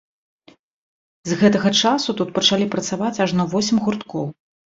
З гэтага часу тут пачалі працаваць ажно восем гурткоў.